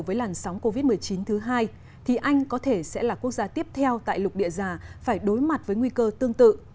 với làn sóng covid một mươi chín thứ hai thì anh có thể sẽ là quốc gia tiếp theo tại lục địa già phải đối mặt với nguy cơ tương tự